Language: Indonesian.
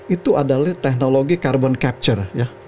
itu adalah teknologi carbon capture ya